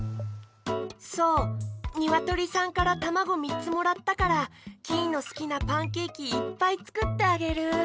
そうにわとりさんからたまごみっつもらったからキイのすきなパンケーキいっぱいつくってあげる。